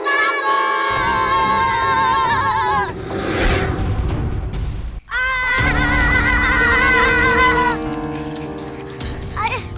apa apaan harus kita lelahkan balik